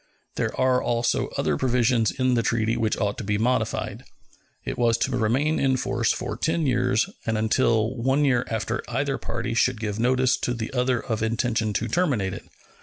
There are also other provisions in the treaty which ought to be modified. It was to remain in force for ten years and until one year after either party should give notice to the other of intention to terminate it.